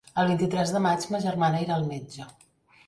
El vint-i-tres de maig ma germana irà al metge.